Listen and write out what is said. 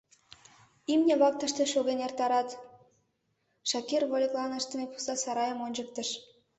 — Имне-влак тыште шоген эртарат, — Шакир вольыклан ыштыме пуста сарайым ончыктыш.